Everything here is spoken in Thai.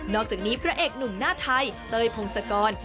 อกจากนี้พระเอกหนุ่มหน้าไทยเต้ยพงศกร